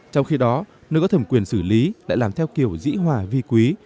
trong khi đó nơi có thẩm quyền xử lý lại làm theo kiểu dĩ hòa vi quý